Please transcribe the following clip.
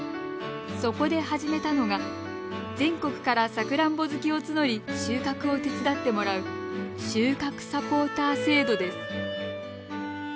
そこで始めたのが全国からさくらんぼ好きを募り収穫を手伝ってもらう収穫サポーター制度です。